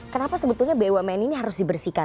kenapa sebetulnya bumn ini harus dibersihkan